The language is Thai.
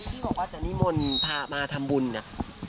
ที่บอกว่าจะนิมนต์พามาทำบุญเนี่ย